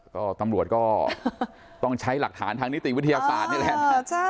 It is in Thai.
ก็ตำรวจก็ต้องใช้หลักฐานทางนิติวิทยาศาสตร์นี่แหละ